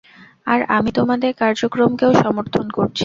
আর আমি তোমাদের কার্যক্রমকেও সমর্থন করছি।